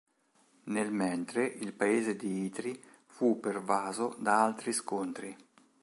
Nel mentre il paese di Itri fu pervaso da altri scontri.